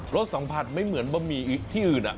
สสัมผัสไม่เหมือนบะหมี่ที่อื่น